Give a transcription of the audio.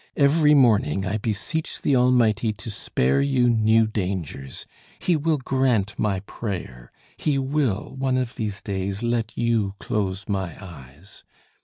Every morning I beseech the Almighty to spare you new dangers; He will grant my prayer; He will, one of these days, let you close my eyes.